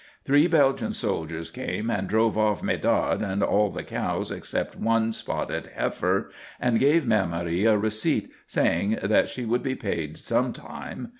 Three Belgian soldiers came and drove off Medard and all the cows except one spotted heifer, and gave Mère Marie a receipt, saying that she would be paid some time.